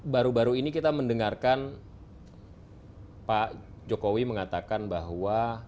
baru baru ini kita mendengarkan pak jokowi mengatakan bahwa